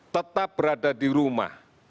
tetap berada di rumah